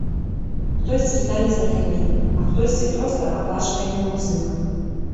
Хтосьці стане знакамітым, а хтосьці проста аплачваемым музыкам.